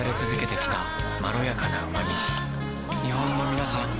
日本のみなさん